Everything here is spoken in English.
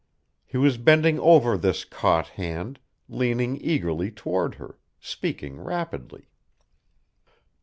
He was bending over this caught hand, leaning eagerly toward her, speaking rapidly.